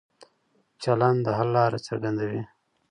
چلن د حل لاره څرګندوي.